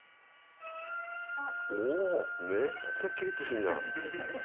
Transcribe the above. おおめっちゃキリッとしてるじゃん。